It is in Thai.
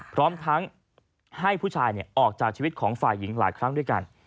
พร้อมทั้งให้ผู้ชายออกจากชีวิตของฝ่ายหญิงหลายครั้งด้วยกัน